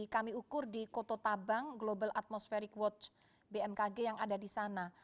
kami ukur di koto tabang global atmosfering watch bmkg yang ada di sana